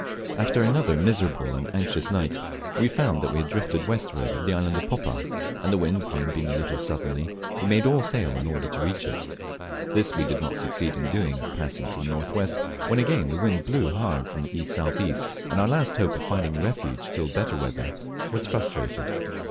After another miserable and anxious night, we found that we had drifted westward of the island of Poppa, and the wind being again a little southerly, we made all sail in order to reach it. This we did not succeed in doing, passing to the north west, when the wind again blew hard from the E.S.E., and our last hope of finding a refuge till better weather was frustrated.